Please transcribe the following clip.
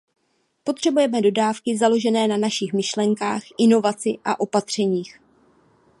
Potřebujeme dodávky založené na našich myšlenkách, inovaci a opatřeních.